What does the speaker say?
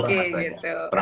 ada yang kurang rasanya